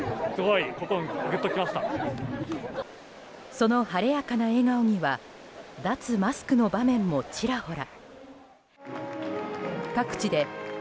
その晴れやかな笑顔には脱マスクの場面もちらほら。